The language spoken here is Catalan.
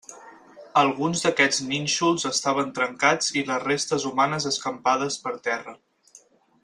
Alguns d'aquests nínxols estaven trencats i les restes humanes escampades per terra.